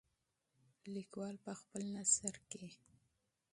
لیکوال په خپل نثر کې.